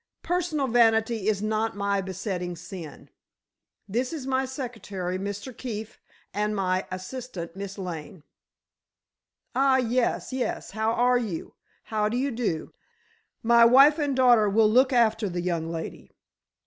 Personal vanity is not my besetting sin. This is my secretary, Mr. Keefe, and my assistant, Miss Lane." "Ah, yes, yes. How are you? How do you do? My wife and daughter will look after the young lady.